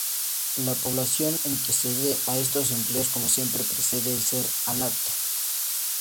La población antecede a estos empleos, como siempre precede el ser al acto.